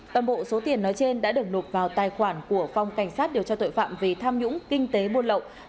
toàn bộ số tiền nói trên đã được nộp vào tài khoản của phong cảnh sát điều tra tội phạm về tham nhũng kinh tế buôn lậu mở tại kho bảng nhà nước tỉnh đồng nai